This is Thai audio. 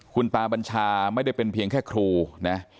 คุณตาบัญชาไม่ได้เป็นเพียงแค่ครูนะ